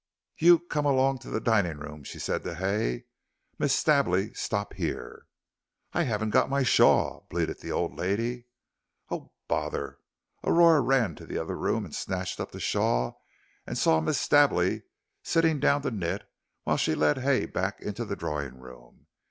"You come along to the drawing room," she said to Hay. "Miss Stably, stop here." "I haven't got my shawl," bleated the old lady. "Oh, bother," Aurora ran to the other room, snatched up the shawl and saw Miss Stably sitting down to knit, while she led Hay back into the drawing room.